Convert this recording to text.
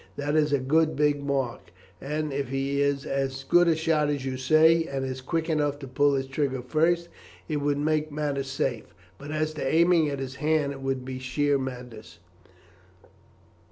That is a good big mark, and if he is as good a shot as you say, and is quick enough to pull his trigger first, it would make matters safe, but as to aiming at his hand it would be sheer madness.